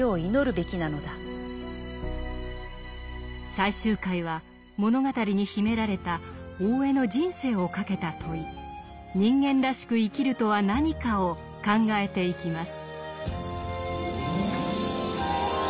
最終回は物語に秘められた大江の人生をかけた問い「人間らしく生きるとは何か？」を考えていきます。